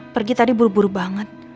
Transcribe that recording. pergi tadi buru buru banget